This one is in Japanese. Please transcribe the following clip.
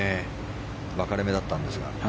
分かれ目だったんですが。